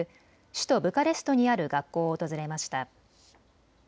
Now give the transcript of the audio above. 首都ブカレストにある学校を訪れました。